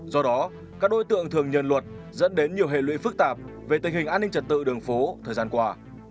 do đó các đối tượng thường nhận luật dẫn đến nhiều hệ lụy phức tạp về tình hình an ninh trật tự đường phố thời gian qua